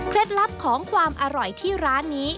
ลับของความอร่อยที่ร้านนี้